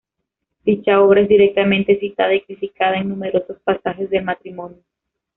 Dicha obra es directamente citada y criticada en numerosos pasajes del "Matrimonio.